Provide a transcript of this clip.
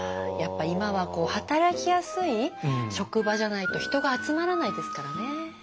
やっぱ今は働きやすい職場じゃないと人が集まらないですからね。